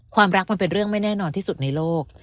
ความรักมันเป็นเรื่องไม่แน่นอนที่สุดในโลก